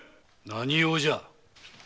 何用じゃ！